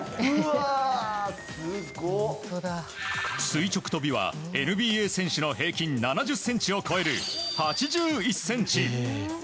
垂直跳びはＮＢＡ選手の平均７０ｃｍを超える８１ｃｍ。